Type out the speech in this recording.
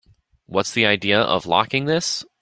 What's the idea of locking this?